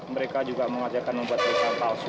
mereka juga mengajakkan membuat periksaan palsu